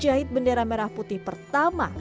kalau menjahit bendera merah putih pertama